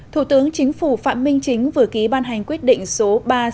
thủ tướng chính phủ phạm minh chính vừa ký ban hành quyết định số ba trăm sáu mươi sáu